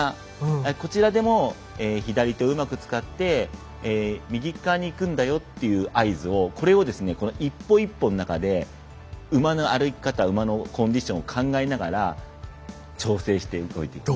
こちらでも左手をうまく使って右側に行くんだよという合図をこれを一歩一歩の中で馬の歩き方、馬のコンディションを考えながら調整して動いていきます。